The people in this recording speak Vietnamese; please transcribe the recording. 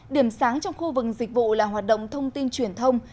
điểm sáng trong khu vực dịch vụ là hoạt động thông tin truyền thông